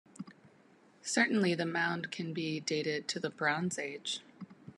Certainly the mound can be dated to the Bronze Age.